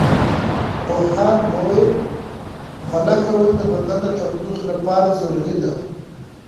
پوهاند وویل خوله کول د بدن د تودوخې لپاره ضروري دي.